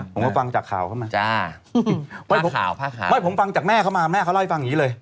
ผมก็ฟังจากข่าวเข้ามา